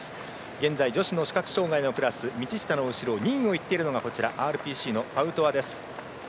現在、女子の視覚障がいのクラス道下の後ろ２位をいっているのがＲＰＣのパウトワです。